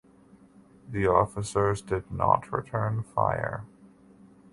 The officers did not return fire.